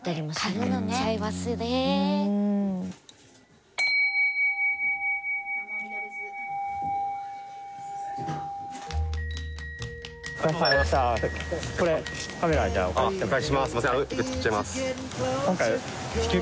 すいません受け取っちゃいます。